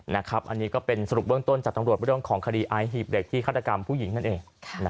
อันนี้ก็เป็นสรุปเบื้องต้นจากตำรวจเรื่องของคดีไอหีบเด็กที่ฆาตกรรมผู้หญิงนั่นเอง